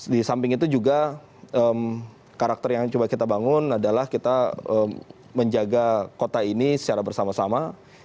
di samping itu juga karakter yang coba kita bangun adalah kita menjaga kota ini secara bersama sama